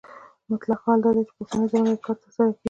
مطلق حال هغه دی چې په اوسنۍ زمانه کې کار ترسره کیږي.